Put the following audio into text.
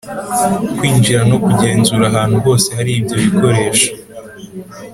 Kwinjira no kugenzura ahantu hose hari ibyo bikoresho